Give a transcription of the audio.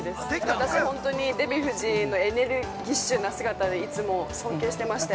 私、本当に、デヴィ夫人のエネルギッシュな姿にいつも尊敬してまして。